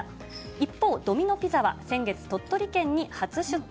一方、ドミノ・ピザは先月、鳥取県に初出店。